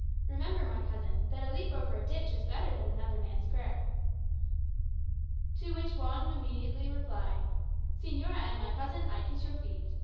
Remember, my cousin, 'that a leap over a ditch is better than another man's prayer.'" To which Juan replied immediately: "Señora and my cousin, I kiss your feet.